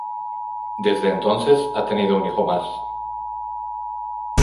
Desde entonces ha tenido un hijo más.